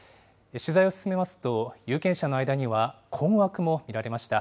取材を進めますと、有権者の間には、困惑も見られました。